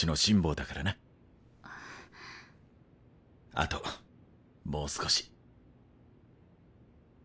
あともう少し。